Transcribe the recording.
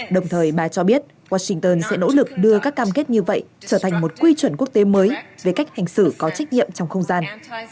đồng thời bà cho biết washington sẽ nỗ lực đưa các cam kết như vậy trở thành một quy chuẩn quốc tế mới về cách hành xử có trách nhiệm trong không gian